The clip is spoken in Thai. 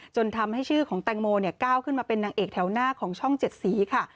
จนทำให้ชื่อของแตงโมก้าวขึ้นมาเป็นนางเอกแถวหน้าของช่อง๗สีค่ะ